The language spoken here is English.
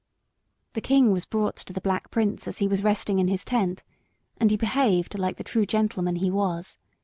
The king was brought to the Black Prince as he was resting in his tent, and he behaved like the true gentleman he was.